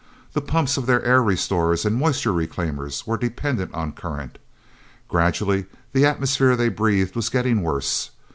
The pumps of their air restorers and moisture reclaimers were dependent on current. Gradually the atmosphere they breathed was getting worse.